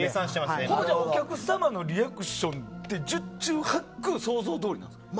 それじゃお客様のリアクションって十中八九想像どおりですか？